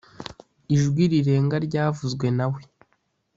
Ijwi rirenga ryavuzwe nawe.